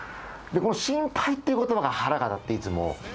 で、この心配ってことばが腹が立って、いつも。